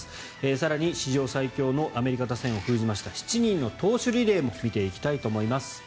更に史上最強のアメリカ打線を封じました７人の投手リレーも見ていきたいと思います。